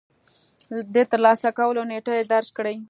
د ترلاسه کولو نېټه يې درج کړئ.